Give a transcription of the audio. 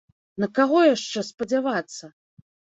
На каго яшчэ спадзявацца?